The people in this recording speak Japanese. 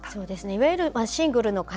いわゆるシングルの方